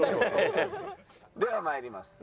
では参ります。